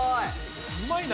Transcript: うまいな！